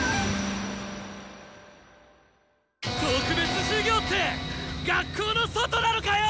特別授業って学校の外なのかよ！